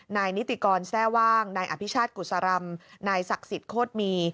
นายนิติกรแทร่ว่างนายอภิชาติกุศรำนายศักดิ์สิทธิโคตรมี